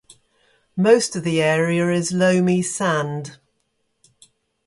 Most of the area is loamy sand.